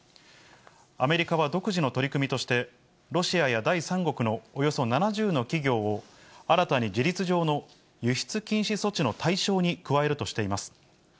アメリカは独自の取り組みとして、ロシアや第三国のおよそ７０の企業を新たに事実上の輸出禁止措置の対象に加えるとしています。